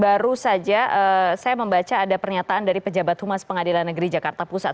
baru saja saya membaca ada pernyataan dari pejabat humas pengadilan negeri jakarta pusat